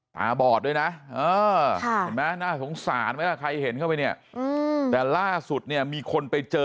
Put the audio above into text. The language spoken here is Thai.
ตาบอดด้วยนะเห็นไหมน่าสงสารไหมล่ะใครเห็นเข้าไปเนี่ยแต่ล่าสุดเนี่ยมีคนไปเจอ